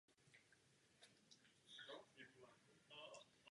Později jeho tvorba směřovala k neoklasicismu a moderně.